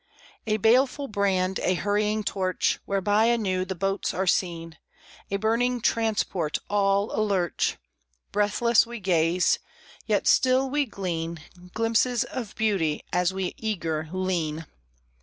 A baleful brand, a hurrying torch Whereby anew the boats are seen A burning transport all alurch! Breathless we gaze; yet still we glean Glimpses of beauty as we eager lean.